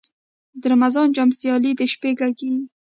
د رمضان جام سیالۍ د شپې کیږي.